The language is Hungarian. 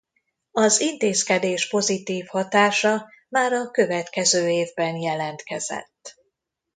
Az intézkedés pozitív hatása már a következő évben jelentkezett.